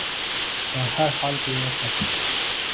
په هر حال کې یې وساتو.